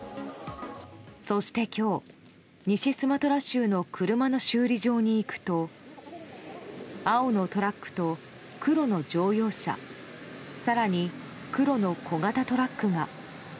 そして、今日西スマトラ州の車の修理場に行くと青のトラックと黒の乗用車更に黒の小型トラックが。